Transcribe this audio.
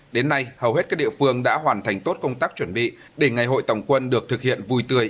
đến nay hầu hết các địa phương đã hoàn thành tốt công tác chuẩn bị để ngày hội tổng quân được thực hiện vui tươi